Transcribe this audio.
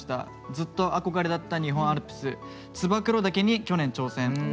ずっと憧れだった日本アルプス燕岳に去年挑戦。